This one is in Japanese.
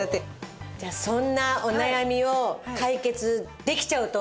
じゃあそんなお悩みを解決できちゃうと思うんですが。